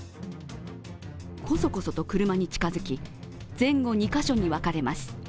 こそこそと車に近づき前後２カ所に分かれます。